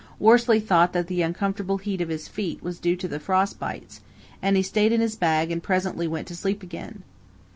Worsley thought that the uncomfortable heat of his feet was due to the frost bites, and he stayed in his bag and presently went to sleep again.